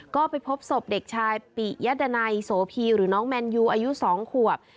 ก็ไปพบศพเด็กชายปิยดานัยโสพีหรือน้องแมนยูอายุ๒ขวบ